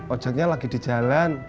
ojaknya lagi di jalan